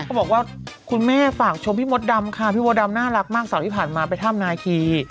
บอกว่าคุณแม่ฝากชมพี่มดดำค่ะพี่มดดำน่ารักมากเสาร์ที่ผ่านมาไปถ้ำนาคี